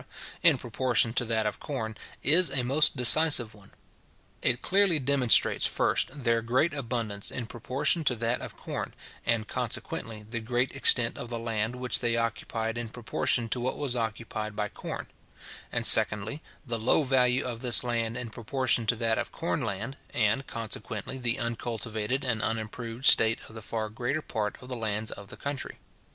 in proportion to that of corn, is a most decisive one. It clearly demonstrates, first, their great abundance in proportion to that of corn, and, consequently, the great extent of the land which they occupied in proportion to what was occupied by corn; and, secondly, the low value of this land in proportion to that of corn land, and, consequently, the uncultivated and unimproved state of the far greater part of the lands of the country.